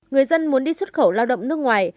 người dân muốn đi xuất khẩu lao động nước ngoài